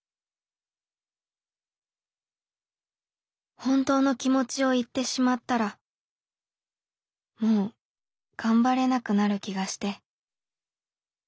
「ほんとうの気持ちを言ってしまったらもう頑張れなくなる気がして」。